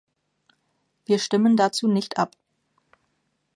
Wir stimmen dazu nicht ab.